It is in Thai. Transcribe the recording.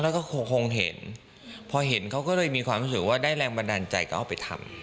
แล้วก็คงเห็นพอเห็นเขาก็เลยมีความรู้สึกว่าได้แรงบันดาลใจก็เอาไปทำ